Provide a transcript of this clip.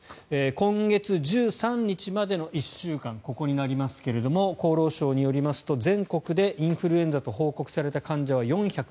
今月１３日までの１週間ここになりますが厚労省によりますと全国でインフルエンザと報告された患者は４０７人。